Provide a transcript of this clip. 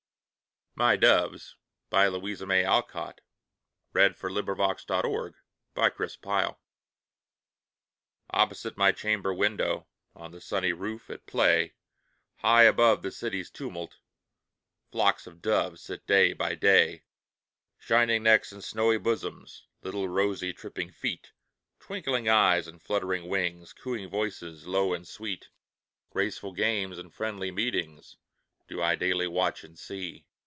build your nest, For we love our robin best. Louisa May Alcott My Doves OPPOSITE my chamber window, On the sunny roof, at play, High above the city's tumult, Flocks of doves sit day by day. Shining necks and snowy bosoms, Little rosy, tripping feet, Twinkling eyes and fluttering wings, Cooing voices, low and sweet, Graceful games and friendly meetings, Do I daily watch and see.